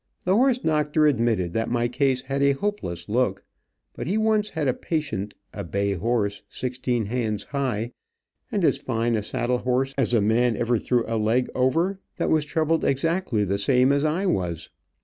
The horse doctor admitted that my case had a hopeless look, but he once had a patient, a bay horse, sixteen hands high, and as fine a saddle horse as a man ever threw a leg over, that was troubled exactly the same as I was.